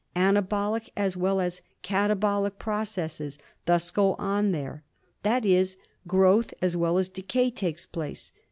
Anabolic as well as katabolic processes thus go on there — that is, growth as well as decay takes place.